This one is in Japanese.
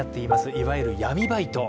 いわゆる闇バイト。